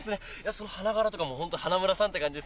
その花柄とかもホント花村さんって感じですね。